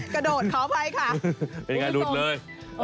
กระโดดเขาไปค่ะเป็นยังไงลุดเลย